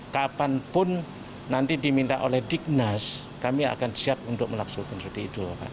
kapanpun nanti diminta oleh dignas kami akan siap untuk melaksanakan seperti itu